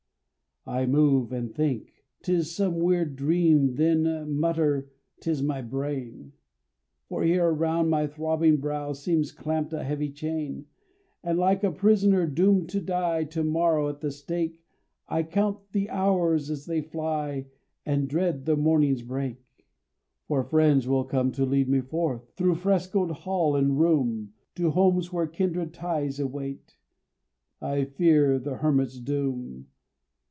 I move, and think 'tis some weird dream Then mutter "'tis my brain;" For here around my throbbing brow Seems clamped a heavy chain, And like a prisoner doomed to die To morrow at the stake, I count the hours as they fly, And dread the morning's break. For friends will come to lead me forth, Through frescoed hall and room, To homes where kindred ties await; I fear the hermit's doom.